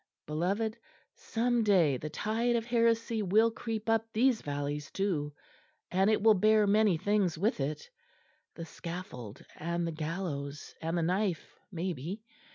Beloved, some day the tide of heresy will creep up these valleys too; and it will bear many things with it, the scaffold and the gallows and the knife maybe.